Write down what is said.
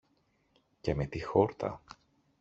Και με τι χόρτα!